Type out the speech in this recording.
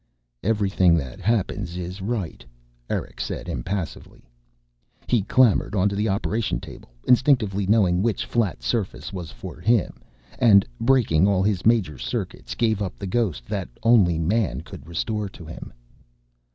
"Everything that happens is right," Eric said impassively. He clambered on to the operation table, instinctively knowing which flat surface was for him, and, breaking all his major circuits, gave up the ghost that only man could restore to him.